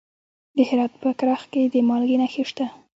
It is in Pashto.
د هرات په کرخ کې د مالګې نښې شته.